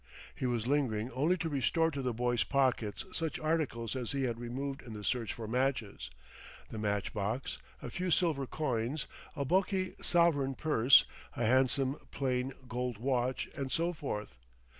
He was lingering only to restore to the boy's pockets such articles as he had removed in the search for matches, the match box, a few silver coins, a bulky sovereign purse, a handsome, plain gold watch, and so forth.